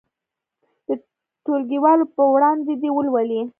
د ټولګیوالو په وړاندې دې ولولي.